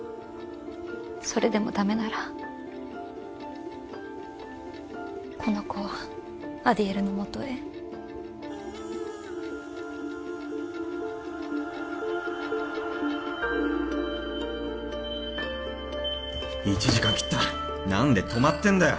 それでもダメならこの子はアディエルのもとへ１時間切った何で止まってんだよ！